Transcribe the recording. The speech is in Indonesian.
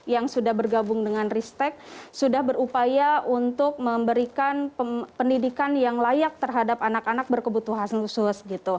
yang sudah bergabung dengan ristek sudah berupaya untuk memberikan pendidikan yang layak terhadap anak anak berkebutuhan khusus